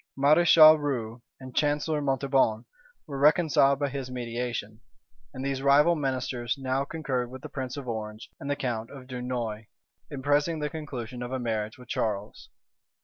Mareschal Rieux and Chancellor Montauban were reconciled by his mediation; and these rival ministers now concurred with the prince of Orange and the count of Dunois, in pressing the conclusion of a marriage with Charles.